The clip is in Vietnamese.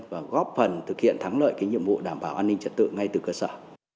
và góp phần thực hiện thắng lợi cái nhiệm vụ đảm bảo an ninh trật tự ngay từ cơ sở